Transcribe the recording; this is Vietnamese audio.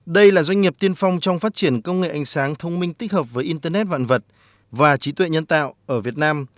đây là doanh nghiệp tiên phong trong phát triển công nghệ ánh sáng thông minh tích hợp với internet vạn vật và trí tuệ nhân tạo ở việt nam